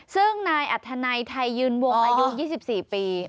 ซึ่งนายอัธนัยไทยยืนวงอายุ๒๔ปี